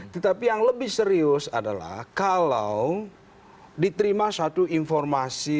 tetapi yang lebih serius adalah kalau diterima satu informasi